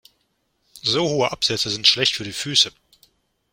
So hohe Absätze sind schlecht für die Füße.